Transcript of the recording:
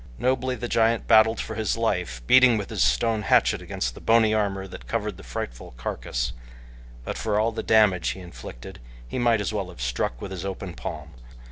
Nobly the giant battled for his life, beating with his stone hatchet against the bony armor that covered that frightful carcass; but for all the damage he inflicted he might as well have struck with his open palm.